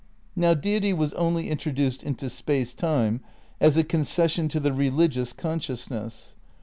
Now Deity was only introduced into Space Time as a concession to the religious consciousness.